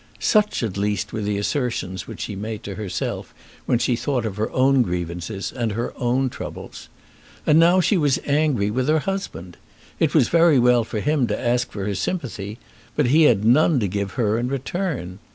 Such, at least, were the assertions which she made to herself, when she thought of her own grievances and her own troubles. And now she was angry with her husband. It was very well for him to ask for her sympathy, but he had none to give her in return!